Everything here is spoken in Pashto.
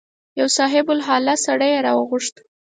یو صاحب الحاله سړی یې راوغوښت.